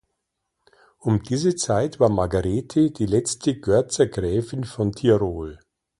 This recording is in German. Um diese Zeit war Margarete die letzte Görzer Gräfin von Tirol.